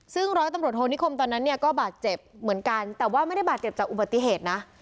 ซึ่งร้อยตำรวจโทนิคมตอนนั้นเนี่ยก็บาดเจ็บเหมือนกันแต่ว่าไม่ได้บาดเจ็บจากอุบัติเหตุนะ